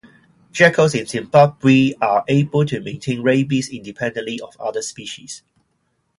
Jackals in Zimbabwe are able to maintain rabies independently of other species.